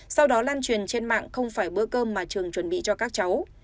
sau đó lan truyền trên mạng không phải bữa cơm mà trường chuẩn bị cho các cháu